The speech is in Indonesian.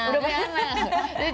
udah punya anak